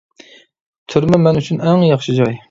تۈرمە مەن ئۈچۈن ئەڭ ياخشى جاي.